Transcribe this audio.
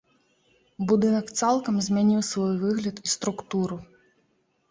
Будынак цалкам змяніў свой выгляд і структуру.